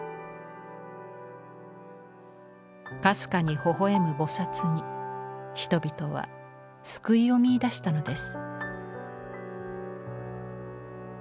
かすかにほほ笑む菩に人々は救いを見いだしたのです。